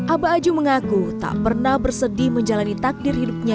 abah aju mengaku tak pernah bersedih menjalani takdir hidupnya